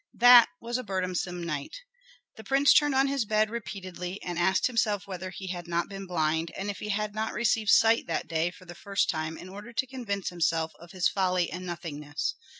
That was a burdensome night. The prince turned on his bed repeatedly, and asked himself whether he had not been blind, and if he had not received sight that day for the first time in order to convince himself of his folly and nothingness.